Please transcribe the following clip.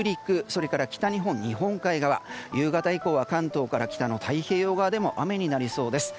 それから北日本の日本海側夕方以降は関東から北の太平洋側でも雨になりそうです。